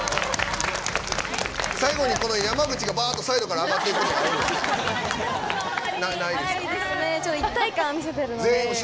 最後に山口がバーッとサイドから上がっていくっていうのはないですか？